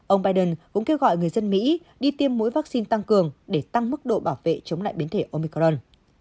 ông biden cũng kêu gọi người dân mỹ đi tiêm mũi vaccine tăng cường để tăng mức độ bảo vệ chống lại biến thể omicron